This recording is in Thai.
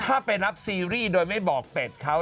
ถ้าไปรับซีรีส์โดยไม่บอกเป็ดเขา